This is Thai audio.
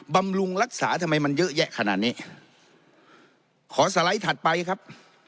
บำรุงรักษาทำไมมันเยอะแยะขนาดนี้ขอสไลด์ถัดไปครับ